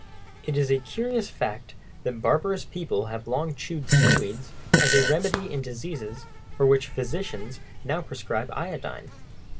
It is a curious fact that barbarous people have long chewed seaweeds as a remedy in diseases for which physicians now prescribe iodine.